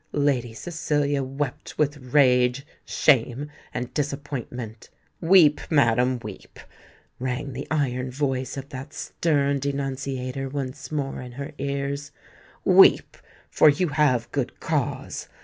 Lady Cecilia wept with rage, shame, and disappointment. "Weep, madam, weep," rang the iron voice of that stern denunciator once more in her ears: "weep—for you have good cause!